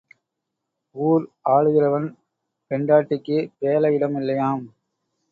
ஊர் ஆளுகிறவன் பெண்டாட்டிக்குப் பேள இடம் இல்லையாம்.